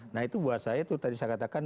nah itu buat saya itu tadi saya katakan